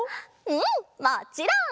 うんもちろん！